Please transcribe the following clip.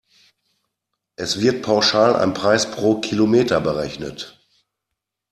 Es wird pauschal ein Preis pro Kilometer berechnet.